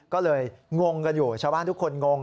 ก็เลยงงกันอยู่ชาวบ้านทุกคนงง